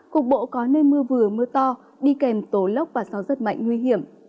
cục bộ có nơi mưa vừa mưa to đi kèm tố lóc và gió rất mạnh nguy hiểm